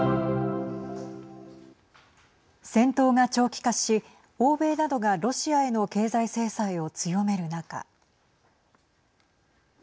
戦闘が長期化し欧米などがロシアへの経済制裁を強める中。